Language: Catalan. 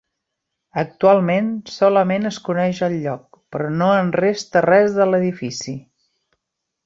Actualment solament es coneix el lloc, però no en resta res de l'edifici.